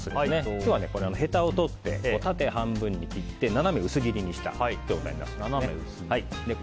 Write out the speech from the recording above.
今日は、へたを取って縦半分に切って斜め薄切りにした状態ですね。